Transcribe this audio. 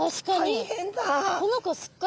大変だ！